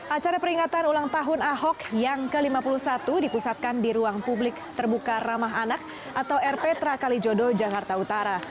acara peringatan ulang tahun ahok yang ke lima puluh satu dipusatkan di ruang publik terbuka ramah anak atau rptra kalijodo jakarta utara